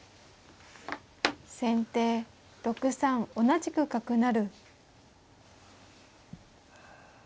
先手６三同じく角成。